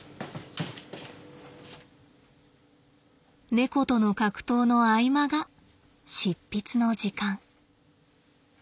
猫との格闘の合間が執筆の時間。